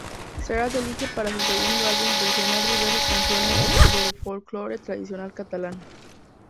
Serrat elige para su segundo álbum versionar diversas canciones del folklore tradicional catalán.